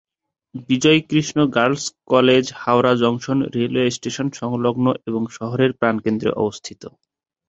Bijoykrishna girls'' college Howrah junction railway station সংলগ্ন এবং শহরের প্রাণকেন্দ্রে অবস্থিত।